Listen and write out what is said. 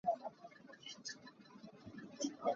Na dai ko ee, na nuam lo maw?